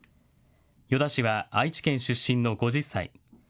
よだ氏は愛知県出身の５０歳。